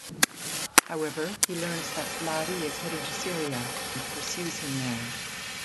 However, he learns that Vlady is heading to Syria, and pursues him there.